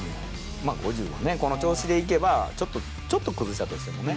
まあ５０はね、この調子でいけば、ちょっと崩したとしてもね。